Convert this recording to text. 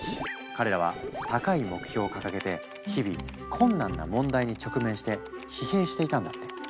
彼らは高い目標を掲げて日々困難な問題に直面して疲弊していたんだって。